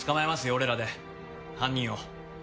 俺らで犯人を。